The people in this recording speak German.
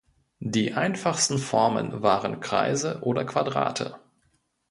Die einfachsten Formen waren Kreise oder Quadrate.